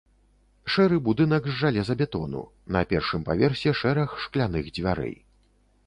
Шэры будынак з жалезабетону, на першым паверсе шэраг шкляных дзвярэй.